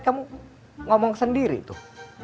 kamu ngomong sendiri tuh